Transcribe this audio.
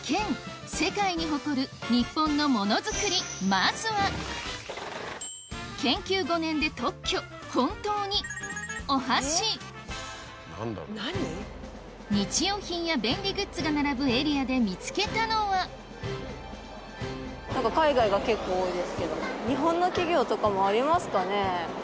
まずは日用品や便利グッズが並ぶエリアで見つけたのは海外が結構多いですけど日本の企業とかもありますかね？